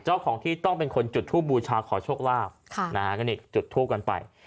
เจ้าของที่ต้องเป็นคนจุดทูบบูชาขอโชคลาภค่ะนะฮะก็นี่จุดทูปกันไป